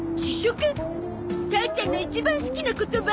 母ちゃんの一番好きな言葉！